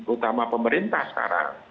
utama pemerintah sekarang